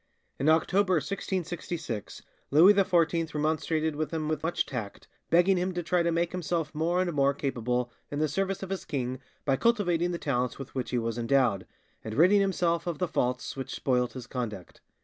In October 1666 Louis XIV remonstrated with him with much tact, begging him to try to make himself more and more capable in the service of his king by cultivating the talents with which he was endowed, and ridding himself of the faults which spoilt his conduct.